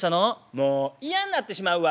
「もう嫌んなってしまうわ」。